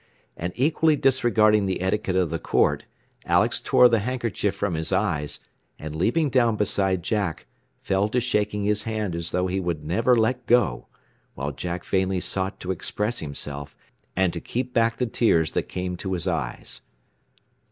And equally disregarding the etiquette of the court, Alex tore the handkerchief from his eyes, and leaping down beside Jack, fell to shaking his hand as though he would never let go, while Jack vainly sought to express himself, and to keep back the tears that came to his eyes.